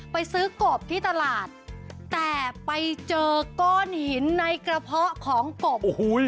ไปซื้อกบที่ตลาดแต่ไปเจอก้อนหินในกระเพาะของกบ